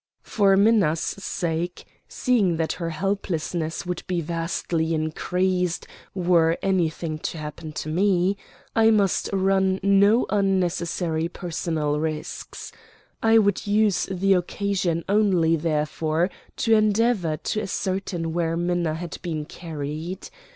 For Minna's sake seeing that her helplessness would be vastly increased were anything to happen to me I must run no unnecessary personal risks. I would use the occasion only therefore to endeavor to ascertain where Minna had been carried.